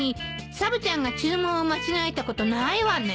サブちゃんが注文を間違えたことないわね。